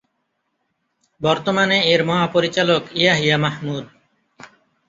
বর্তমানে এর মহাপরিচালক ইয়াহিয়া মাহমুদ।